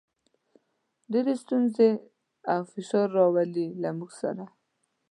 ډېرې ستونزې او فشار راولي، له موږ سره.